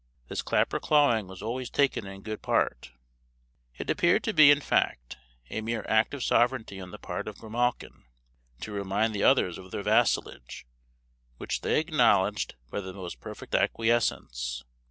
This clapper clawing was always taken in good part; it appeared to be, in fact, a mere act of sovereignty on the part of grimalkin, to remind the others of their vassalage; which they acknowledged by the most perfect acquiescence.